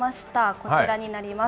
こちらになります。